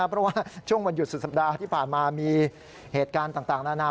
เพราะว่าช่วงวันหยุดสุดสัปดาห์ที่ผ่านมามีเหตุการณ์ต่างนานา